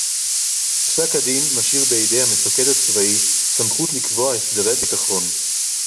פסק-הדין משאיר בידי המפקד הצבאי סמכות לקבוע הסדרי ביטחון